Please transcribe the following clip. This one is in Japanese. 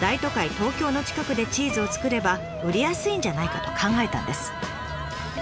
東京の近くでチーズを作れば売りやすいんじゃないかと考えたんです。